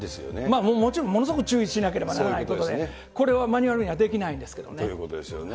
もちろんものすごく注意しなければならないことで、これはマニュアルにはできないんですけどね。ということですよね。